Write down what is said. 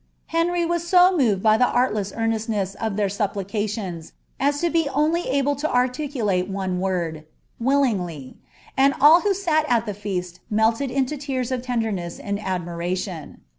Henry was so moved by the artless earnests » of their supplications, as to be only able to articulate one word, V^illingly," and all who sat at the feast melted into tears of tenderness id admiration.